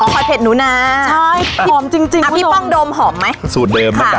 อ๋อผัดเผ็ดหนูนาใช่หอมจริงจริงอ่ะพี่ป้องดมหอมไหมสูตรเดิมค่ะ